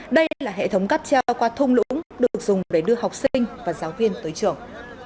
đây là hệ thống cắp treo qua thung lũng được dùng để đưa học sinh và giáo viên tới trường